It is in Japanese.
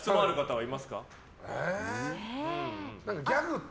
はい。